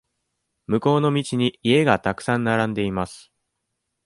向こうの道に家がたくさん並んでいます。